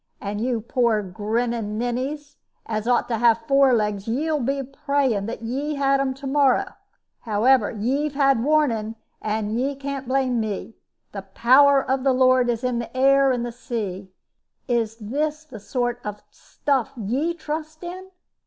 And you poor grinning ninnies, as ought to have four legs, ye'll be praying that ye had them to morrow. However, ye've had warning, and ye can't blame me. The power of the Lord is in the air and sea. Is this the sort of stuff ye trust in?"